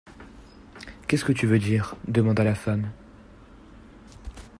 Qu'est-ce que tu veux dire ? demanda la femme.